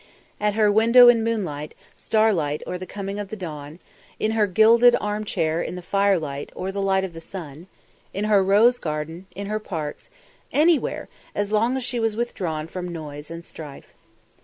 At her window in moonlight, starlight or the coming of the dawn; in her gilded armchair in the firelight or the light of the sun; in her rose garden, in her parks, anywhere, as long as she was withdrawn from noise and strife.